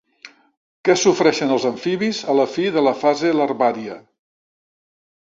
Què sofreixen els amfibis a la fi de la fase larvària?